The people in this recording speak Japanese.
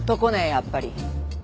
やっぱり。